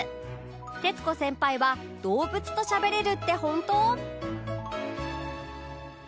徹子先輩は動物と喋れるって本当？